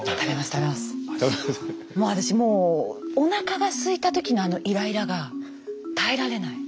私もうおなかがすいた時のあのイライラが耐えられない。